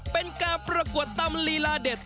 เป็นการประกวดตำลีลาเด็ด